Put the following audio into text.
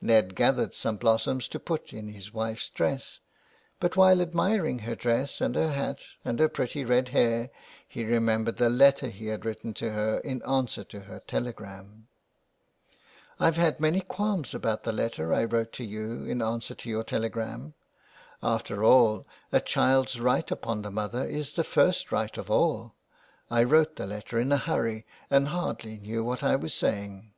Ned gathered some blossoms to put into his wife's dress, but while admiring her dress and her hat and her 339 THE WILD GOOSE. pretty red hair he remembered the letter he had written to her in answer to her telegram. " I've had many qualms about the letter I wrote you in answer to your telegram. After all a child's right upon the mother is the first right of all. I wrote the letter in a hurry, and hardly knew what I was saying."